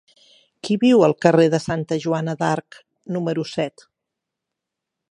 Qui viu al carrer de Santa Joana d'Arc número set?